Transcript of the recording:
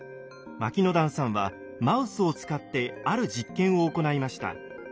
牧之段さんはマウスを使ってある実験を行いました。